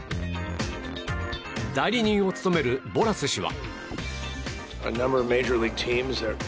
代理人を務めるボラス氏は。